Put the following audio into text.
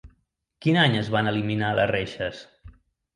Quin any es van eliminar les reixes?